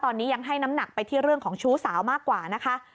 ตอนนี้ยังให้น้ำหนักไปที่เรื่องของชู้สาวมากกว่านะคะ